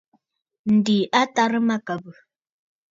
Ǹdè à tàrə mâkàbə̀.